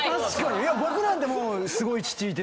僕なんてもうすごい父いて。